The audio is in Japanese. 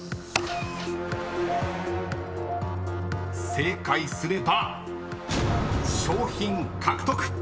［正解すれば賞品獲得］